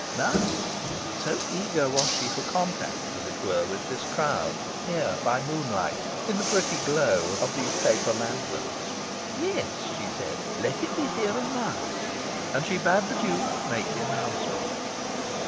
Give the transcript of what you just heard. now, so eager was she for contact, as it were, with this crowd; here, by moonlight, in the pretty glow of these paper lanterns. Yes, she said, let it be here and now; and she bade the Duke make the announcement.